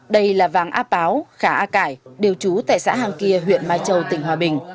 đây là vàng a páo khả a cải đều trú tại xã hàng kia huyện mai châu tỉnh hòa bình